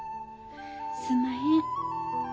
すんまへん。